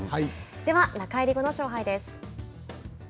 では、中入り後の勝敗です。